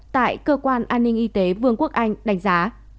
tại cơ quan an ninh y tế vương quốc anh đánh giá